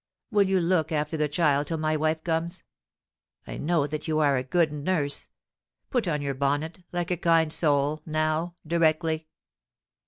Will you look after the child till my wife comes ? I know that you are a good nurse. Put on your bonnet, like a kind soul, now — directly.